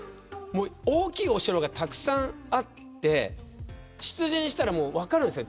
大きいお城がたくさんあって出陣したら分かるんですよ。